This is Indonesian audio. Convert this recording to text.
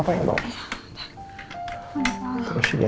itu apa battlebug yangidient